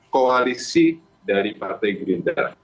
koalisi dari partai gerindra